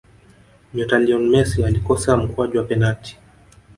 nyota lionel messi alikosa mkwaju wa penati